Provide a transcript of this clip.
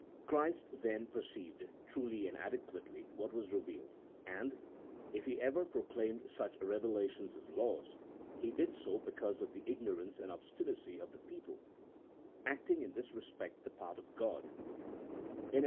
Christ, then, perceived (truly and adequately) what was revealed, and if He ever proclaimed such revelations as laws, He did so because of the ignorance and obstinacy of the people, acting in this respect the part of God; inas CHAP.